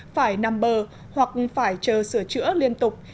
phải nằm bờ hoặc phải chờ sửa chữa liên tục